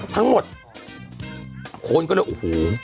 ทั้งหมดคนก็เลยโอ้โห